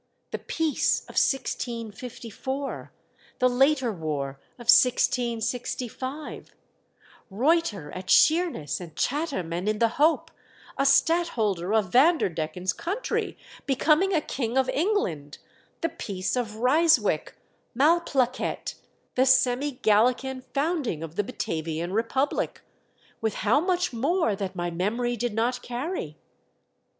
The peace of 1654 — the later war of 1665 — Ruyter at Sheerness and Chatham and in the Hope — a stadtholder of Vander decken's country becoming a King of England — the peace of Ryswick — Malplaquet — the seml Gallican founding of the Batavian Re public — with how much more that my memory did not carry